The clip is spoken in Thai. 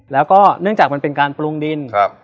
แล้วก็เนื่องจากมันเป็นการปรุงดิน